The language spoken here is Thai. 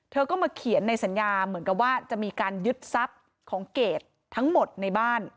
เธอก็มาเขียนในสัญญาเหมือนกับว่าจะมีการยึดทรัพย์ของเกรดทั้งหมดในบ้าน